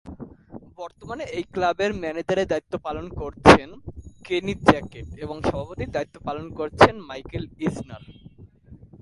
বর্তমানে এই ক্লাবের ম্যানেজারের দায়িত্ব পালন করছেন কেনি জ্যাকেট এবং সভাপতির দায়িত্ব পালন করছেন মাইকেল ইজনার।